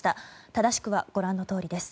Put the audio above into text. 正しくはご覧のとおりです。